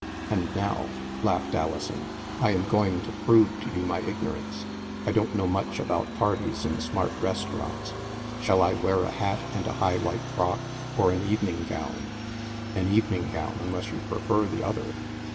'*And now," laughed Alison, "I am going to prove to you my ignorance. I don't know much about parties in smart restaurants. Shall I wear a hat and a high light frock, or an evening gown ?"" An evening gown, unless you prefer the other."